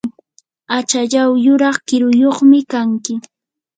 achallaw yuraq kiruyuqmi kanki.